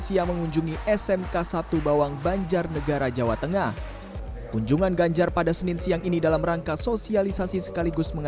saya mendorong beberapa aktivitas yang selama ini pernah kita lakukan